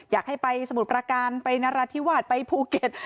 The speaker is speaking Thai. อยากให้ไปสมุทรประการไปนราธิวาสไปภูเก็ต